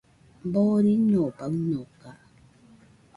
Boriño baɨnoka